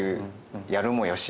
やるもよし。